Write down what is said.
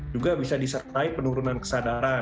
juga bisa disertai penurunan kesadaran